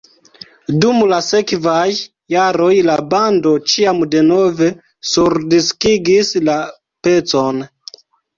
Dum la sekvaj jaroj la bando ĉiam denove surdiskigis la pecon.